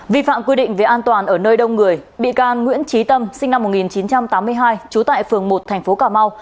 vi phạm quy định về an toàn ở nơi đông người bị can nguyễn trí tâm sinh năm một nghìn chín trăm tám mươi hai trú tại phường một thành phố cà mau